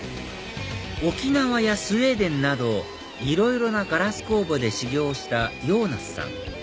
沖縄やスウェーデンなどいろいろなガラス工房で修業をしたヨーナスさん